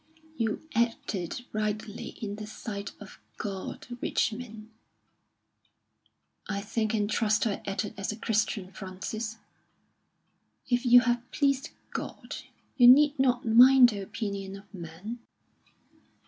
"You acted rightly in the sight of God, Richmond." "I think and trust I acted as a Christian, Frances." "If you have pleased God, you need not mind the opinion of man."